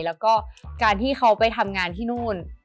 แล้วก็การที่เขาไปทำงานที่นู่น